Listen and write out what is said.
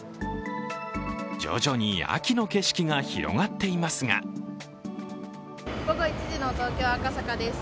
徐々に秋の景色が広がっていますが午後１時の東京・赤坂です。